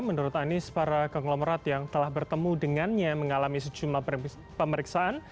menurut anies para konglomerat yang telah bertemu dengannya mengalami sejumlah pemeriksaan